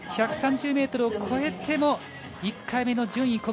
１３０ｍを越えても１回目の順位